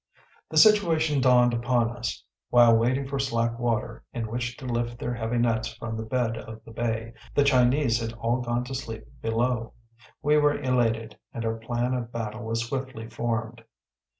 The situation dawned upon us. While waiting for slack water, in which to lift their heavy nets from the bed of the bay, the Chinese had all gone to sleep below. We were elated, and our plan of battle was swiftly formed.